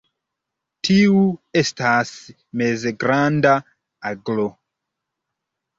Tiu estas mezgranda aglo.